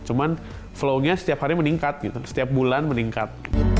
cuman flow nya setiap hari meningkat gitu setiap bulan meningkat